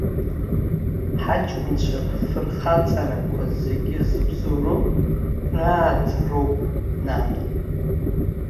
Ҳаҷкәынцәа рфырхаҵарақәа зегьы зыбзоуроу рааӡароуп, нан.